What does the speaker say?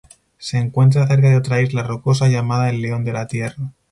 Se encuentra cerca de otra isla rocosa llamada el León de la tierra.